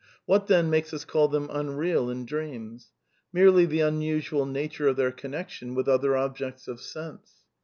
Whaty then, makes ns call them nnreal in dreams? Merely the nnnsual nature of their connection with other objects of sense.